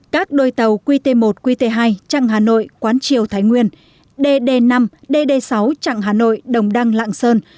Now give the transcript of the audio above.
các đôi tàu qt một qt hai chặng hà nội quán triều thái nguyên dd năm dd sáu chặng hà nội đồng đăng lạng sơn